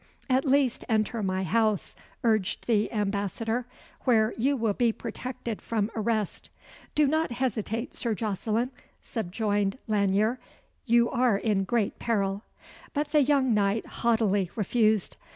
"At least enter my house," urged the ambassador, "where you will be protected from arrest." "Do not hesitate, Sir Jocelyn," subjoined Lanyere. "You are in great peril." But the young knight haughtily refused.